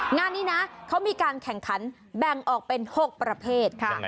งานนี้นะเขามีการแข่งขันแบ่งออกเป็น๖ประเภทค่ะ